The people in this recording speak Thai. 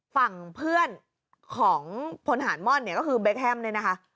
ฝั่งเพื่อนของพลทหารม่อนก็คือเบคแฮมด้วยนะคะ